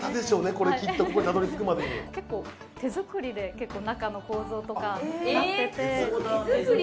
これきっとここにたどり着くまでにで結構中の構造とかなっててえっ手作り！？